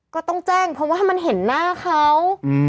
ก็ต้องแจ้งเพราะว่ามันเห็นหน้าเขา